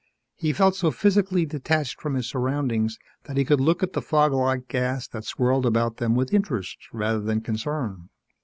He felt so physically detached from his surroundings that he could look at the fog like gas that swirled about them with interest rather than concern.